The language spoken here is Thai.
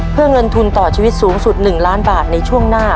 เพื่อเงินทุนต่อชีวิตสูงสุด๑ล้านบาทในช่วงหน้า